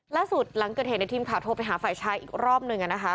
ล่าสุดหลังเกิดเห็นในทีมขาโทไปหาฝ่ายชายอีกรอบหนึ่งอะนะคะ